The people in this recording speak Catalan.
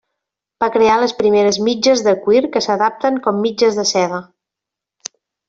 Va crear les primeres mitges de cuir que s'adapten com mitges de seda.